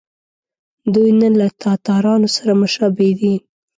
دوی نه له تاتارانو سره مشابه دي.